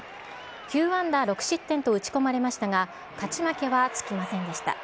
９安打６失点と打ち込まれましたが、勝ち負けはつきませんでした。